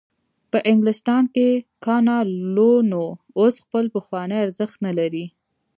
په انګلستان کې کانالونو اوس خپل پخوانی ارزښت نلري.